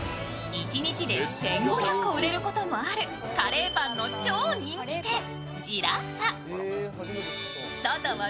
一日に１５００個も売れることあるカレーパンの超人気店ジラッファ。